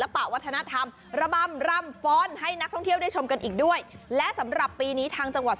เพราะว่าคุณดูที่ตลาดแห่งนี้สิ